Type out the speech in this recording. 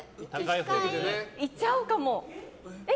行っちゃおうか。